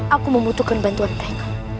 aku membutuhkan bantuan mereka